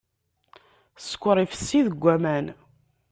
Sskeṛ ifessi deg aman.